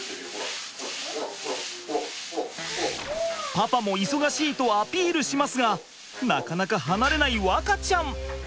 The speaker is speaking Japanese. パパも忙しいとアピールしますがなかなか離れない和花ちゃん！